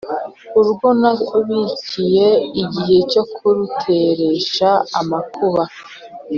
urwo nabikiye igihe cyo kuruteresha amakuba,